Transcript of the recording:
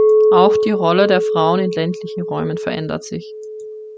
Auch die Rolle der Frauen in ländlichen Räumen verändert sich.